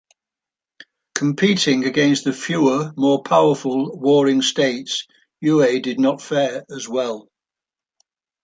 Competing against the fewer, more powerful Warring States, Yue did not fare as well.